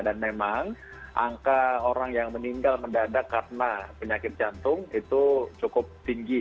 dan memang angka orang yang meninggal mendadak karena penyakit jantung itu cukup tinggi